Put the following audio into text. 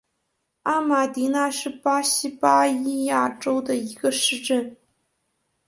阿马迪纳是巴西巴伊亚州的一个市镇。